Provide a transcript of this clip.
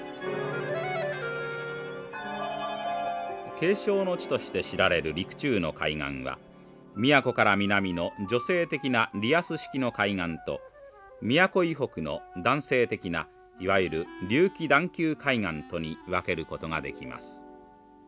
景勝の地として知られる陸中の海岸は宮古から南の女性的なリアス式の海岸と宮古以北の男性的ないわゆる隆起段丘海岸とに分けることができます。